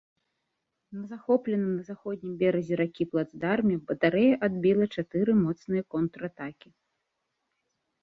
На захопленым на заходнім беразе ракі плацдарме батарэя адбіла чатыры моцныя контратакі.